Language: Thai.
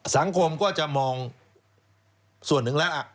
สังคมก็จะมองส่วนหนึ่งแล้วล่ะ